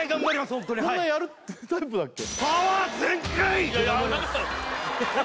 ホントにこんなやるタイプだっけ？